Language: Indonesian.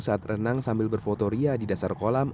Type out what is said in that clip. saat renang sambil berfoto ria di dasar kolam